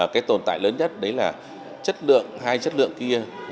cái tồn tại lớn nhất đấy là hai chất lượng kia